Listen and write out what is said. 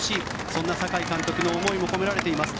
そんな酒井監督の思いも込められています。